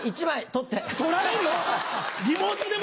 １枚取って。